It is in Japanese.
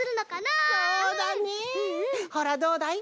ほらどうだい？